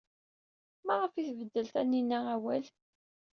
Maɣef ay tbeddel Taninna awal?